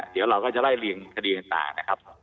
เดี๋ยวเราก็จะไล่เรียงคดีต่างนะครับ